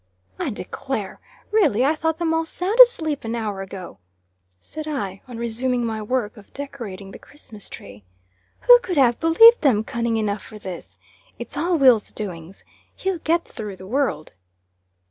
"I declare! Really, I thought them all sound asleep an hour ago," said I, on resuming my work of decorating the Christmas tree, "Who could have believed them cunning enough for this? It's all Will's doings. He'll get through the world."